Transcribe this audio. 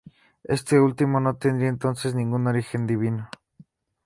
Este último no tendría entonces ningún origen divino.